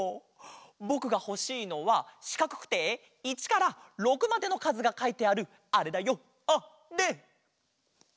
ぼくがほしいのはしかくくて１から６までのかずがかいてあるあれだよあれ！